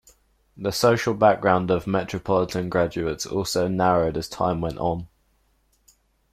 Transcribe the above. The social background of metropolitan graduates also narrowed as time went on.